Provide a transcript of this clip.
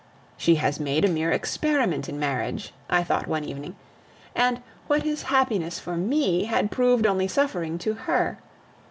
"She has made a mere experiment in marriage," I thought one evening, "and what is happiness for me had proved only suffering to her.